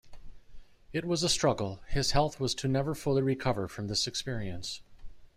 It was a struggle; his health was to never fully recover from this experience.